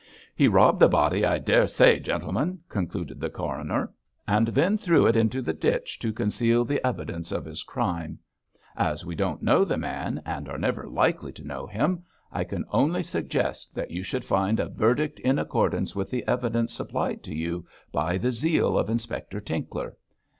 'He robbed the body, I daresay, gentlemen,' concluded the coroner, 'and then threw it into the ditch to conceal the evidence of his crime. As we don't know the man, and are never likely to know him, I can only suggest that you should find a verdict in accordance with the evidence supplied to you by the zeal of Inspector Tinkler.